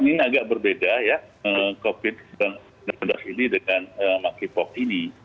ini agak berbeda ya covid sembilan belas ini dengan monkeypox ini